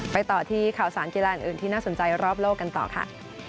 ต่อที่ข่าวสารกีฬาอื่นที่น่าสนใจรอบโลกกันต่อค่ะ